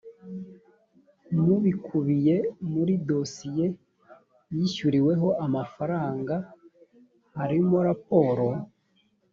mu bikubiye muri dosiye yishyuriweho amafaranga frw harimo raporo